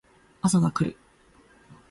朝が来る